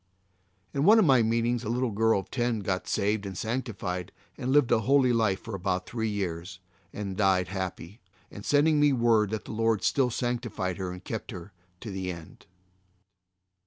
In one of my meetings a little girl of ten got saved and sanctified and lived a holy life for about three years and then died happy, sending me word that the Lord still sanctified her and kept her to the end.